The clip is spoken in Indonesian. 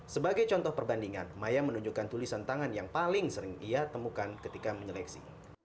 sebagai contoh perbandingan maya menunjukkan tulisan tangan yang paling sering ia temukan ketika menyeleksi